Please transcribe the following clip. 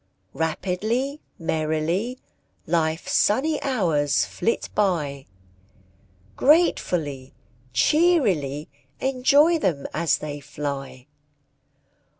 Rapidly, merrily, Life's sunny hours flit by, Gratefully, cheerily Enjoy them as they fly!